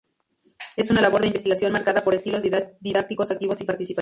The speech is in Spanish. Es una labor de investigación marcada por estilos didácticos activos y participativos.